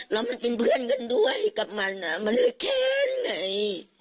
แล้วมันเป็นเพื่อนด้วยกับมันนะมันขั้นไง